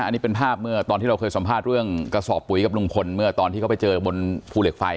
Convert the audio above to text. อันนี้เป็นภาพเมื่อตอนที่เราเคยสัมภาษณ์เรื่องกระสอบปุ๋ยกับลุงพลเมื่อตอนที่เขาไปเจอบนภูเหล็กไฟ